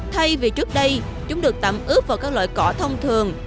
thay vì trước đây chúng được tắm ướp vào các loại cỏ thông thường